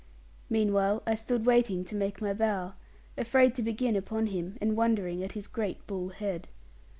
Meanwhile I stood waiting to make my bow; afraid to begin upon him, and wondering at his great bull head.